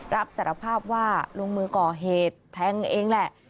รับสารภาพว่าลงมือก่อเหตุแทงเองแหละ